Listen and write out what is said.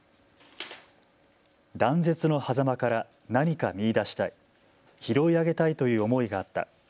断絶のはざまから何か見いだしたい、拾い上げたいという思いがあった。